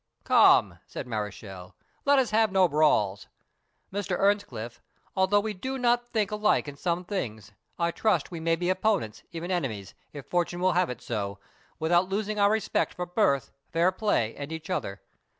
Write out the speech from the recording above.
"Come," said; Mareschal, "let us have no brawls. Mr. Earnscliff; although we do not think alike in some things, I trust we may be opponents, even enemies, if fortune will have it so, without losing our respect for birth, fair play, and each other.